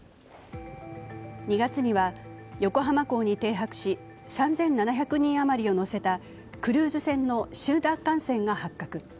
２月には横浜港に停泊し３７００人あまりを乗せたクルーズ船の集団感染が発覚。